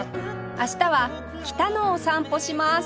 明日は北野を散歩します